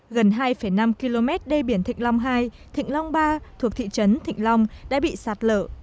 gần hai năm km đê biển thịnh long hai thịnh long ba thuộc thị trấn thịnh long đã bị sạt lở